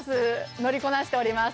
乗りこなしております。